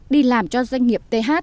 đi làm cho doanh nghiệp th